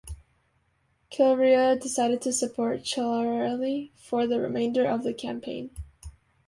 Kilrea decided to support Chiarelli for the remainder of the campaign.